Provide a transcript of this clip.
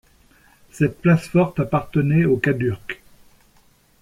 Cette place forte appartenait aux Cadurques.